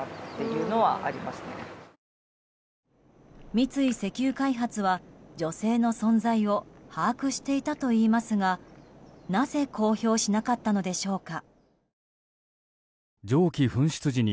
三井石油開発は、女性の存在を把握していたといいますがなぜ公表しなかったのでしょうか。